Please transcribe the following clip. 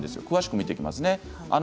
詳しく見ていきます。